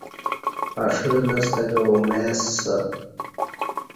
اݜہ لستہ کہ اومئیسہ۔